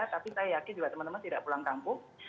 tapi saya yakin juga teman teman tidak pulang kampung